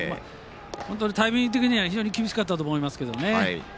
本当にタイミング的には厳しかったと思いますけどね。